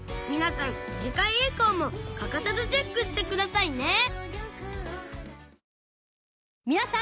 皆さん次回以降も欠かさずチェックしてくださいね！